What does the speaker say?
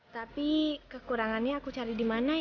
tapi kekurangannya aku cari di mana